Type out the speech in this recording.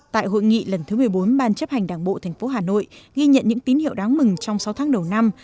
tại hội nghị lần thứ một mươi bốn ban chấp hành đảng bộ tp hà nội ghi nhận những tín hiệu đáng mừng trong sáu tháng đầu năm